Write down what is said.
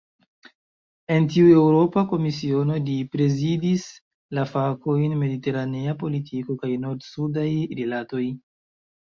En tiu Eŭropa Komisiono, li prezidis la fakojn "mediteranea politiko kaj nord-sudaj rilatoj".